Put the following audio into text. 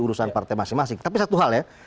urusan partai masing masing tapi satu hal ya